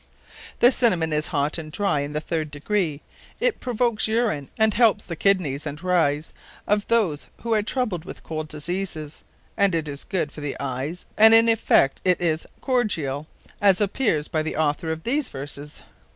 [F] Maiz, or Indian Wheat The Cinamon is hot and dry in the third degree; it provokes Urine, and helps the Kidneys and Reynes of those who are troubled with cold diseases; and it is good for the eyes; and in effect, it is cordiall; as appeares by the Author of these Verses.